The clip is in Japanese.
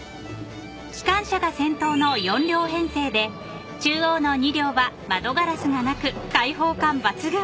［機関車が先頭の４両編成で中央の２両は窓ガラスがなく開放感抜群］